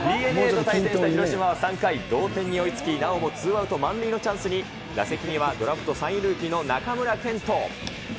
ＤｅＮＡと対戦した広島は同点に追いつき、なおもツーアウト満塁のチャンスに、打席にはドラフト３位ルーキーの中村健人。